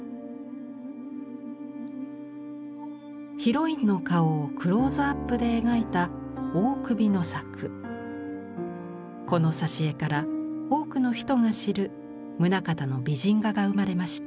ヒロインの顔をクローズアップで描いたこの挿絵から多くの人が知る棟方の美人画が生まれました。